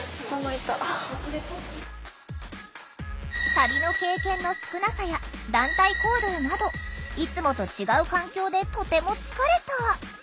旅の経験の少なさや団体行動などいつもと違う環境でとても疲れた。